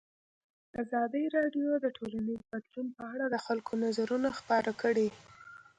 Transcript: ازادي راډیو د ټولنیز بدلون په اړه د خلکو نظرونه خپاره کړي.